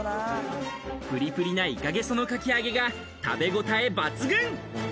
プリプリなイカゲソのかき揚げが食べごたえ抜群。